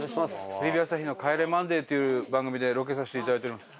テレビ朝日の『帰れマンデー』という番組でロケさせていただいております。